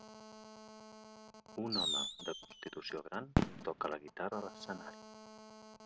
Un home de constitució gran toca la guitarra a l'escenari.